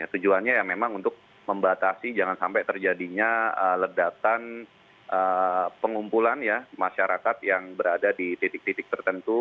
tujuannya ya memang untuk membatasi jangan sampai terjadinya ledakan pengumpulan ya masyarakat yang berada di titik titik tertentu